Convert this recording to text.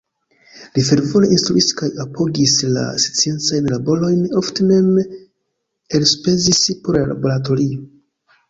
Li fervore instruis kaj apogis la sciencajn laborojn, ofte mem elspezis por la laboratorio.